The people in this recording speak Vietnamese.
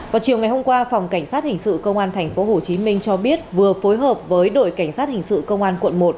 vào chiều ngày hôm qua phòng cảnh sát hình sự công an tp hcm cho biết vừa phối hợp với đội cảnh sát hình sự công an quận một